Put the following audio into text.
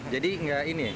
jadi tidak ini